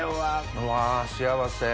うわ幸せ。